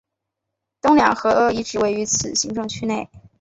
东两河遗址位于此行政区内。